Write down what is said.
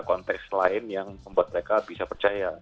konteks lain yang membuat mereka bisa percaya